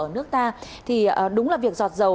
ở nước ta thì đúng là việc giọt dầu